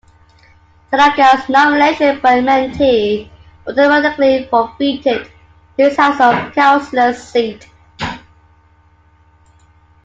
Tanaka's nomination meant he automatically forfeited his House of Councillors seat.